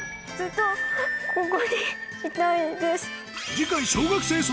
次回